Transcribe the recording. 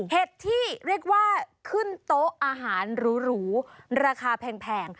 เห็ดที่เรียกว่าขึ้นโต๊ะอาหารหรูราคาแพง